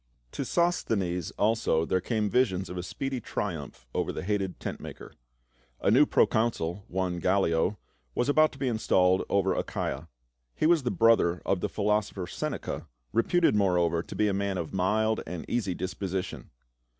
To Sosthenes also there came visions of a speedy triumph over the hated tent maker. A new procon sul, one Gallic, was about to be installed over Achaia. He was the brother of the philosopher Seneca, re puted moreover to be a man of mild and easy dispo sition.